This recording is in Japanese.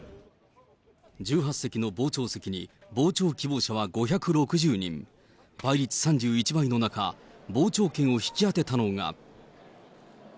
１８席の傍聴席に、傍聴希望者は５６０人、倍率３１倍の中、傍聴券を引き当てたのが。